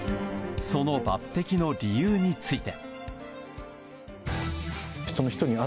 その抜擢の理由について。